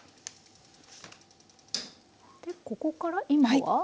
でここから今は？